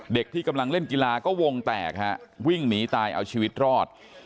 ที่กำลังเล่นกีฬาก็วงแตกฮะวิ่งหนีตายเอาชีวิตรอด